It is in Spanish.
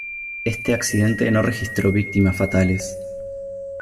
Este accidente no registró víctimas fatales.